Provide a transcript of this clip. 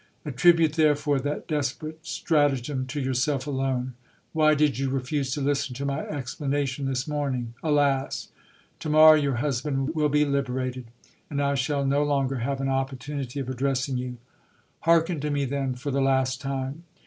Attribute therefore that desperate strata gem to yourself alone. Why did you refuse to listen to my explanation this morning ? Alas. ! To morrow your husband will be liberated, and I shall no longer have an opportunity of addressing you. Hearken to me then for the last time.